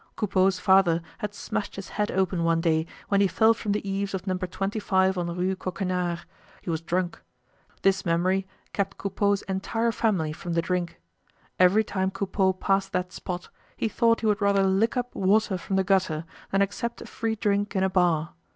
Coupeau's father had smashed his head open one day when he fell from the eaves of No. 25 on Rue Coquenard. He was drunk. This memory keeps Coupeau's entire family from the drink. Every time Coupeau passed that spot, he thought he would rather lick up water from the gutter than accept a free drink in a bar.